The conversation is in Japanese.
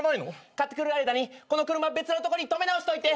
買ってくる間にこの車別のとこに止め直しといて。